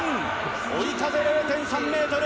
追い風０．３メートル。